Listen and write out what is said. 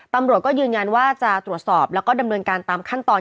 ตำรวจก็ยืนยันว่าจะตรวจสอบแล้วก็ดำเนินการตามขั้นตอน